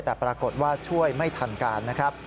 แต่ปรากฏว่าช่วยไม่ทันการนะครับ